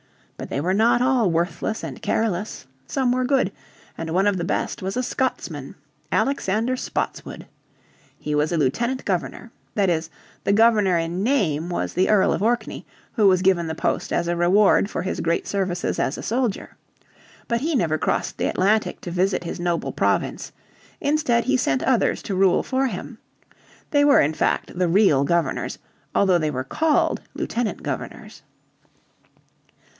But they were not all worthless and careless. Some were good, and one of the best was a Scotsman, Alexander Spotswood. He was a lieutenant governor. That is, the Governor in name was the Earl of Orkney, who was given the post as a reward for his great services as a soldier. But he never crossed the Atlantic to visit his noble province. Instead he sent others to rule for him. They were in fact the real governors, although they were called lieutenant governors.